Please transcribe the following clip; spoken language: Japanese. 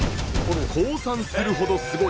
降参するほどすごい！